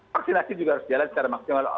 vaksinasi juga harus jalan secara maksimal